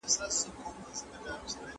کله چې انصاف موجود وي، ولسي باور زیاتېږي.